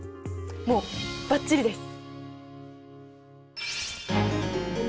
もうバッチリです。